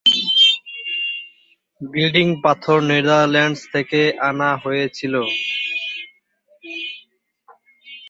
Building পাথর Netherlands থেকে আনা হয়ে ছিল।